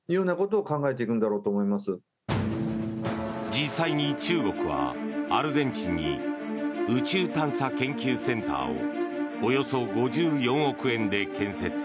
実際に中国は、アルゼンチンに宇宙探査研究センターをおよそ５４億円で建設。